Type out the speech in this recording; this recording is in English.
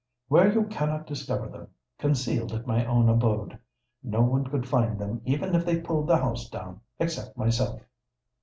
"Where you cannot discover them—concealed at my own abode. No one could find them, even if they pulled the house down, except myself."